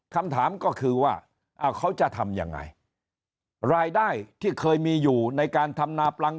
คำถามก็คือว่าเขาจะทำยังไงรายได้ที่เคยมีอยู่ในการทำนาปลัง